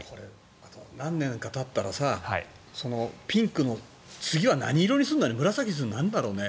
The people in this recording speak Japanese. あと何年かたったらピンクの次は何色にするんだろうね。